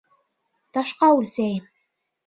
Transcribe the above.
Ташҡа үлсәйем.